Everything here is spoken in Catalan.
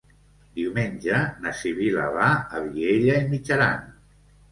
Diumenge na Sibil·la va a Vielha e Mijaran.